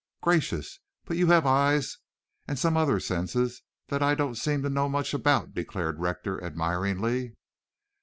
"Gracious, but you have eyes and some other sense that I don't seem to know much about," declared Rector admiringly.